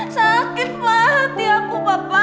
sakitlah hati aku papa